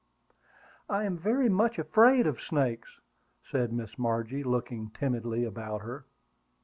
"I am very much afraid of snakes," said Miss Margie, looking timidly about her.